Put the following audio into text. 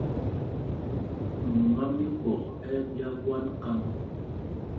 Mumá mí Mikpɔk ɛ́ ɛ́ ɓyá ɓwân kám.